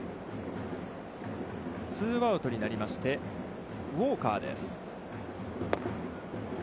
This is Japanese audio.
ツーアウトになりまして、ウォーカーです。